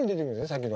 さっきの。